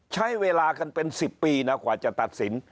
ใช้เวลากันเป็น๑๐ปีนะกว่าจะตัดสิน